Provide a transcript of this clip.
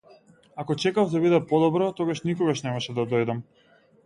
Ако чекав да биде подобро, тогаш никогаш немаше да дојдам.